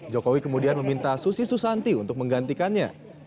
jokowi kemudian meminta susi susanti untuk menggantikannya